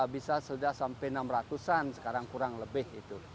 bisa sudah sampai enam ratusan sekarang kurang lebih itu